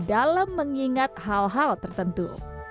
dalam mengingat hal hal tertentu